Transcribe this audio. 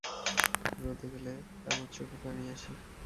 রোদে গেলে আমার চোখে পানি আসে।